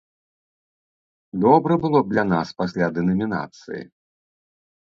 Добра было б для нас пасля дэнамінацыі!